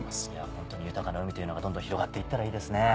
ホントに豊かな海というのがどんどん広がっていったらいいですね。